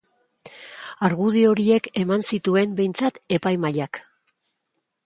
Argudio horiek eman zituen behintzat epaimahaiak.